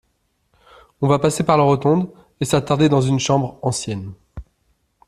On va passer par la rotonde et s'attarder dans une chambre ancienne.